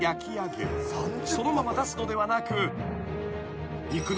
［そのまま出すのではなく］